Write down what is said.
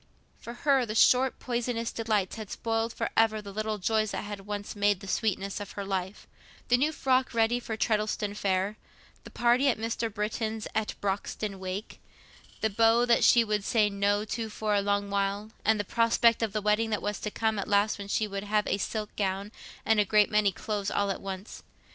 For her short poisonous delights had spoiled for ever all the little joys that had once made the sweetness of her life—the new frock ready for Treddleston Fair, the party at Mr. Britton's at Broxton wake, the beaux that she would say "No" to for a long while, and the prospect of the wedding that was to come at last when she would have a silk gown and a great many clothes all at once.